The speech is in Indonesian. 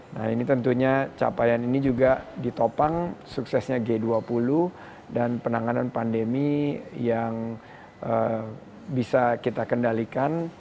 nah ini tentunya capaian ini juga ditopang suksesnya g dua puluh dan penanganan pandemi yang bisa kita kendalikan